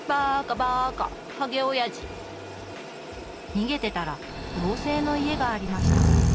「逃げてたら、ようせいの家がありました。」